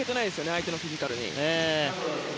相手のフィジカルに。